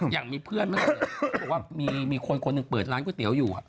อย่างมีเพื่อนบอกว่ามีคนหนึ่งเปิดร้านก๋วยเตี๋ยวอยู่ค่ะ